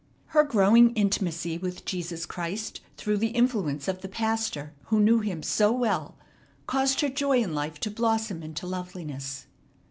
Her growing intimacy with Jesus Christ through the influence of the pastor who knew Him so well caused her joy in life to blossom into loveliness.